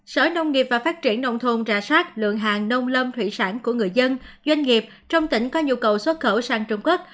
sở nông nghiệp và phát triển nông thôn rà sát lượng hàng nông lâm thủy sản của người dân doanh nghiệp trong tỉnh có nhu cầu xuất khẩu sang trung quốc